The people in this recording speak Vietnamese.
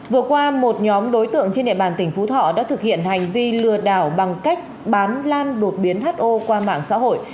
vừa qua một nhóm đối tượng trên địa bàn tỉnh phú thọ đã thực hiện hành vi lừa đảo bằng cách bán lan đột biến ho qua mạng xã hội